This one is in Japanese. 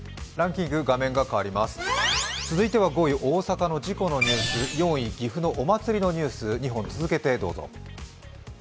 続いては５位大阪の事故のニュース４位、岐阜のお祭りのニュース２本続けてどうぞ。